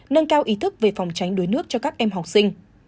nâng cao ý thức về phòng tránh đuối nước cho các em học sinh